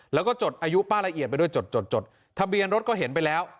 แล้วก็จดอายุป้าละเอียดไปด้วยจดจดทะเบียนรถก็เห็นไปแล้ว